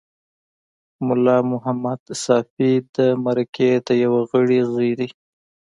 ملا محمد ساپي د مرکې د یوه غړي زوی دی.